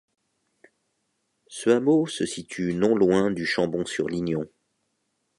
Ce hameau se situe non loin du Chambon-sur-Lignon.